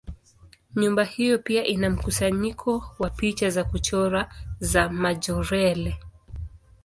Nyumba hiyo pia ina mkusanyiko wa picha za kuchora za Majorelle.